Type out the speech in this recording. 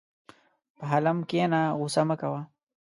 په حلم کښېنه، غوسه مه کوه.